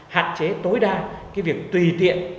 hạn chế tối đa việc tùy tiện